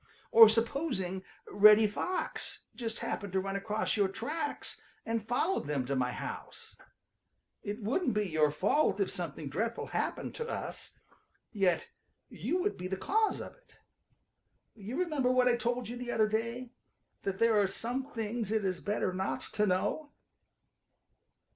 Or supposing Reddy Fox just happened to run across your tracks and followed them to my house. It wouldn't be your fault if something dreadful happened to us, yet you would be the cause of it. You remember what I told you the other day, that there are some things it is better not to know."